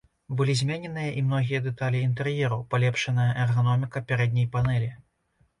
Былі змененыя і многія дэталі інтэр'еру, палепшаная эрганоміка пярэдняй панэлі.